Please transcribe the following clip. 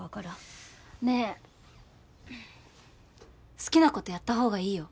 好きなことやったほうがいいよ